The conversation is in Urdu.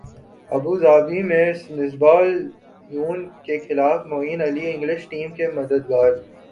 ابوظہبی میں مصباح الیون کیخلاف معین علی انگلش ٹیم کے مددگار